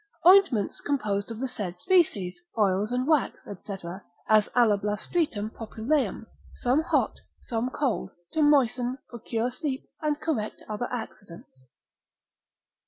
Ointments composed of the said species, oils and wax, &c., as Alablastritum Populeum, some hot, some cold, to moisten, procure sleep, and correct other accidents.